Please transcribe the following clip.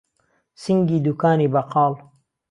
سینگی دووکانی بهقاڵ